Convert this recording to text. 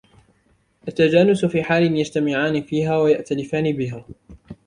التَّجَانُسُ فِي حَالٍ يَجْتَمِعَانِ فِيهَا وَيَأْتَلِفَانِ بِهَا